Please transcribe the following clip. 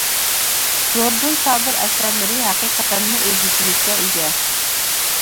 زوردۇن سابىر ئەسەرلىرى ھەقىقەتەنمۇ ئۆزگىچىلىككە ئىگە.